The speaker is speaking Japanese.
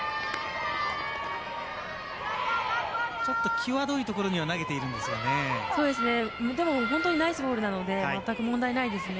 際どいところには投げているんですがね。